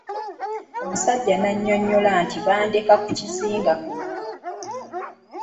Omusajja n'annyonnyola nti bandeka ku kizinga kuno.